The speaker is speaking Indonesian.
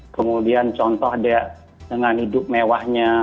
kemudian contoh dengan hidup mewahnya